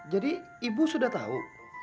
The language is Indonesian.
jadi ibu sudah tahu